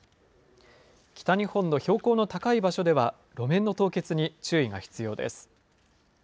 北日本の標高の高い場所では、路面の凍結に注意が必要です。